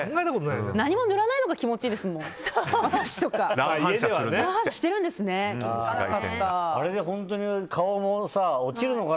何も塗らないのが気持ちいいですもん、私とか。